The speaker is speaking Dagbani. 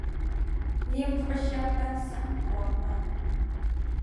Ninvuɣu shɛba ban saɣim kom maa.